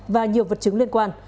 và nhiều vật chứng liên quan